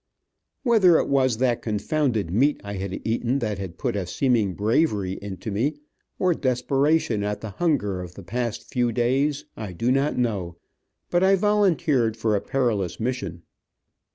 Whether it was that confounded meat I had eaten that had put a seeming bravery into me, or desperation at the hunger of the past few days, I do not know, but I volunteered for a perilous mission.